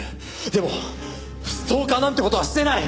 でもストーカーなんて事はしてない！